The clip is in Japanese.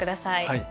はい。